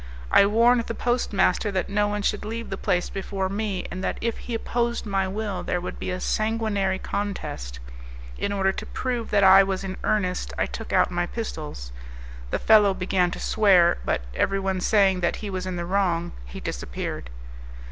I warned the post master that no one should leave the place before me, and that if he opposed my will there would be a sanguinary contest; in order to prove that I was in earnest I took out my pistols. The fellow began to swear, but, everyone saying that he was in the wrong, he disappeared.